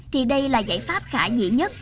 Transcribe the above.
thì đây là giải pháp khả dĩ nhất